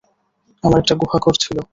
আমার একটা গুহাঘর ছিলো।